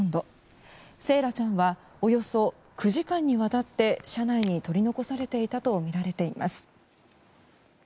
惺愛ちゃんはおよそ９時間にわたって車内に取り残されていたとみられています。